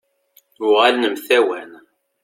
Uɣalen mtawan.